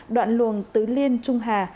đoạn luồng tứ liên trung hà